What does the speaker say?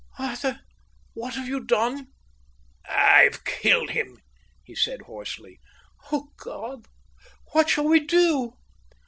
"Arthur, what have you done?" "I've killed him," he said hoarsely. "O God, what shall we do?"